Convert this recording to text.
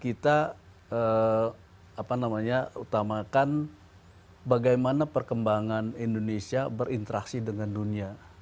kita utamakan bagaimana perkembangan indonesia berinteraksi dengan dunia